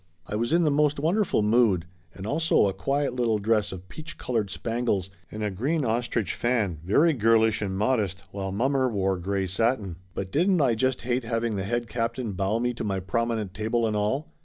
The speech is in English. I was in the most wonderful mood and also a quiet little dress of peach colored spangles and a green ostrich fan, very girlish and modest, while mommer wore gray satin. Well, didn't I just hate having the head captain bow me to my prominent table and all?